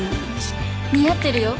「似合ってるよ！